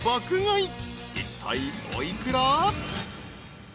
［いったいお幾ら？］